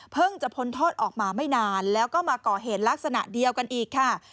จะพ้นโทษออกมาไม่นานแล้วก็มาก่อเหตุลักษณะเดียวกันอีกค่ะ